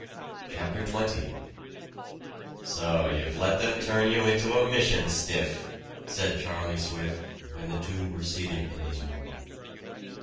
CHAPTER XX "So you've let them turn you into a mission stiff!" said Charlie Swift, when the two were seated in his room.